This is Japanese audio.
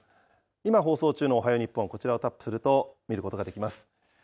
今、放送中のおはよう日本、こちらをタップすると見ることができます。